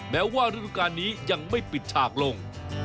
แม้ว่าฤดูการนี้ยังไม่ปิดฉากลง